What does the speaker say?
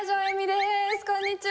こんにちは